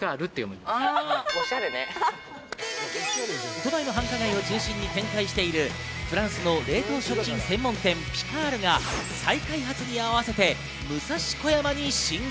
都内の繁華街を中心に展開しているフランスの冷凍食品専門店・ピカールが再開発に合わせて武蔵小山に進出。